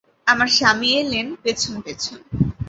আমার স্বামী এলেন পেছন পেছন।